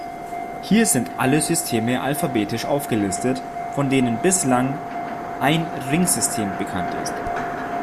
Hier sind alle Systeme alphabetisch aufgelistet, von denen bislang ein Ringsystem bekannt ist.